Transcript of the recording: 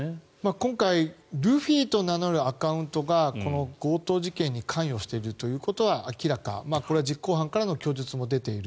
今回ルフィと名乗るアカウントがこの強盗事件に関与していることは明らかこれは実行犯からの供述も出ている。